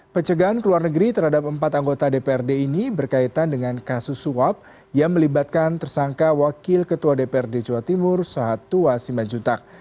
pencegahan ke luar negeri terhadap empat anggota dprd ini berkaitan dengan kasus suap yang melibatkan tersangka wakil ketua dprd jawa timur sahat tua simanjutak